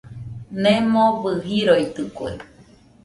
Nemobɨ jiroitɨkue.